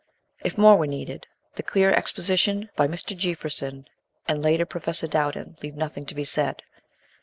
If more were needed, the clear exposition by Mr. Jeaffreson and later Professor Do\vden, leave nothing to be said.